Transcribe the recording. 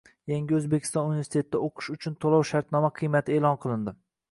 Yangi O‘zbekiston universitetida o‘qish uchun to‘lov-shartnoma qiymati e'lon qilindi.